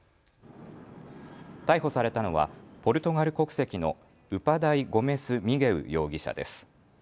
逮捕されたのはポルトガル国籍のウパダイ・ゴメス・ミゲウ容疑者です。